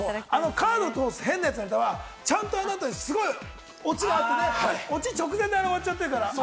カード通す変なネタはあの後にすごいオチがあってね、オチ直前で終わっちゃってるから。